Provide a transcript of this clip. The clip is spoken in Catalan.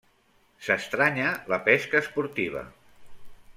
S'estranya la pesca esportiva.